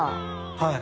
はい。